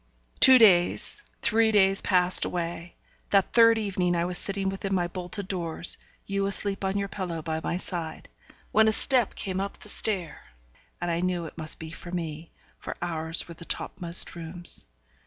Two days, three days passed away. That third evening I was sitting within my bolted doors you asleep on your pillow by my side when a step came up the stair, and I knew it must be for me; for ours were the top most rooms.